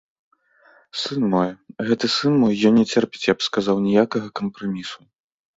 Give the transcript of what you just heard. Сын мой, гэты сын мой, ён не церпіць, я б сказаў, ніякага кампрамісу.